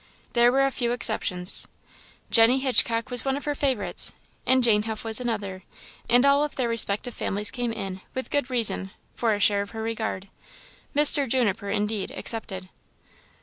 There were a few exceptions; Jenny Hitchcock was one of her favourites, and Jane Huff was another; and all of their respective families came in, with good reason, for a share of her regard Mr. Juniper, indeed, excepted.